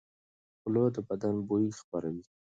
خوله د بدن بوی خپروي.